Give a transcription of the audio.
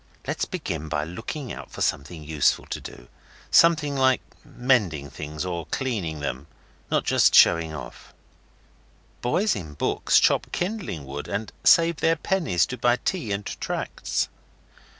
Let's begin by looking out for something useful to do something like mending things or cleaning them, not just showing off.' 'The boys in books chop kindling wood and save their pennies to buy tea and tracts.